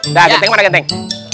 udah gantengnya mana ganteng